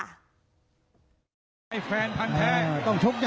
โอ้โฮพระราคังช่วย